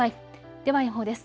では予報です。